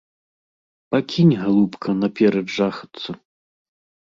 Пакінь, галубка, наперад жахацца!